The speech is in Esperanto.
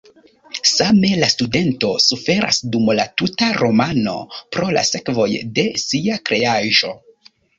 Same la studento suferas dum la tuta romano pro la sekvoj de sia kreaĵo.